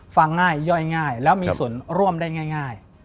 ฟังง่ายย่อยง่ายแล้วมีส่วนร่วมได้ง่าย